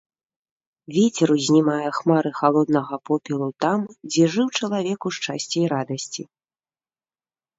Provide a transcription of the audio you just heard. Вецер узнімае хмары халоднага попелу там, дзе жыў чалавек у шчасці і радасці.